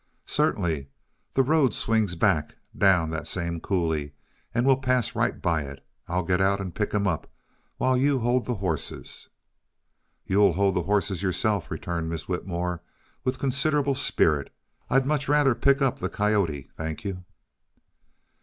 "Certainly. The road swings back, down that same coulee, and we'll pass right by it. Then I'll get out and pick him up, while you hold the horses." "You'll hold those horses yourself," returned Miss Whitmore, with considerable spirit. "I'd much rather pick up the coyote, thank you."